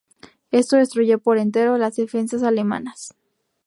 Esto destruyó por entero las defensas alemanas.